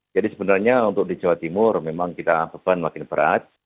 jadi sebenarnya untuk di jawa timur memang kita beban makin berat